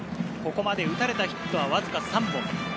ここまで打たれたヒットはわずかに３本。